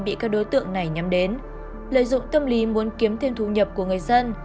bị các đối tượng này nhắm đến lợi dụng tâm lý muốn kiếm thêm thu nhập của người dân